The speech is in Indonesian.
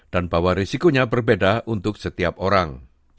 dan bahwa risikonya berbeda untuk setiap orang